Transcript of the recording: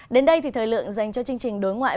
đến đây thì thời lượng dành cho chương trình đối ngoại